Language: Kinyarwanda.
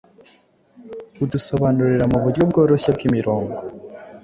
udusobanurira muburyo bworoshye bwimirongo